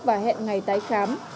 và hẹn ngày tái khám